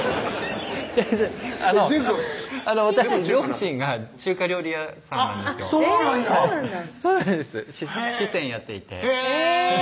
純くん私両親が中華料理屋さんなんですそうなんやそうなんです四川やっていてへぇ！